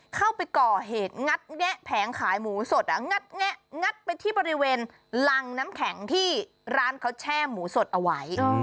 เข้าไปก่อเหตุงัดแงะแผงขายหมูสดงัดแงะงัดไปที่บริเวณรังน้ำแข็งที่ร้านเขาแช่หมูสดเอาไว้